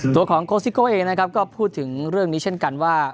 ตัวของโกซิโก้เองนะครับก็พูดถึงเรื่องนี้เช่นกันว่า